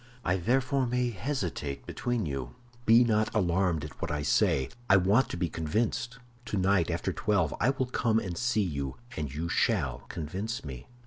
I therefore may hesitate between you. Be not alarmed at what I say; I want to be convinced. Tonight, after twelve, I will come and see you, and you shall convince me."